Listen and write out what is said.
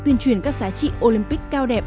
tuyên truyền các giá trị olympic cao đẹp